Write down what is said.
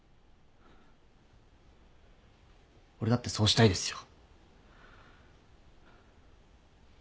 俺だってそうしたいですよ。